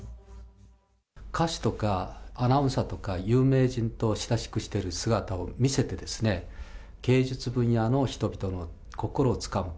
歌手とかアナウンサーとか有名人と親しくしている姿を見せて、芸術分野の人々の心をつかむ。